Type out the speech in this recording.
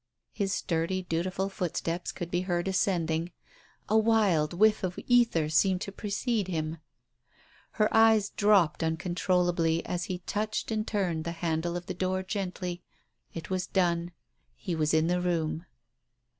His sturdy dutiful footsteps could be heard ascending ... a wild whiff of ether seemed to precede l\im !... Her eyes dropped uncontrollably, as he touched and turned the handle of the door gently. ... It was done. He was in the room.